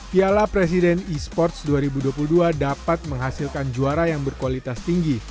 piala presiden e sports dua ribu dua puluh dua dapat menghasilkan juara yang berkualitas tinggi